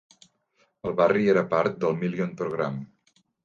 El barri era part del Million Programme.